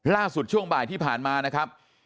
ล่าสุดช่วงบ่ายที่ผ่านมานะครับ